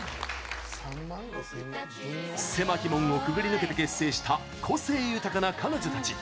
狭き門をくぐり抜けて結成した個性豊かな彼女たち。